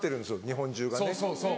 日本中がね。